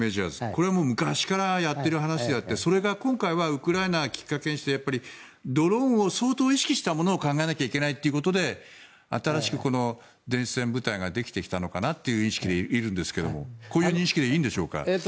これも昔からやっている話であって今回はウクライナをきっかけにしてドローンを相当意識したものを考えなきゃいけないということで新しく電子戦部隊ができてきたんじゃないかという意識でいるんですがこの意識でいいんでしょうか。